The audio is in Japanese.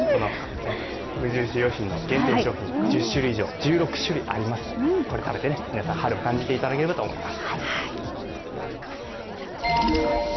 無印良品の限定商品１０種類以上ありますのでこれを食べて皆さん、春を感じていただければと思います。